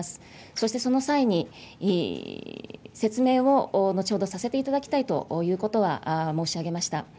そして、その際に、説明を後ほどさせていただきたいということは申し上げました。